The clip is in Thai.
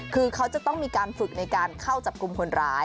คือเขาจะต้องมีการฝึกในการเข้าจับกลุ่มคนร้าย